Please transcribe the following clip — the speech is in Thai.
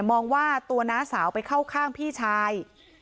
มองว่าตัวน้าสาวไปเข้าข้างพี่ชาย